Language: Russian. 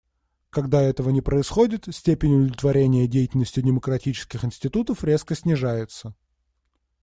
Когда этого не происходит, степень удовлетворения деятельностью демократических институтов резко снижается.